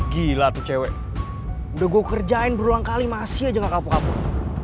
gila tuh cewek udah gue kerjain berulang kali masih aja gak kapuk kapuk